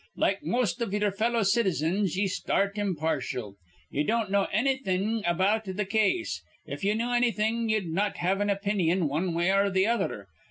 Like most iv ye'er fellow citizens, ye start impartial. Ye don't know annything about th' case. If ye knew annything, ye'd not have an opinyon wan way or th' other.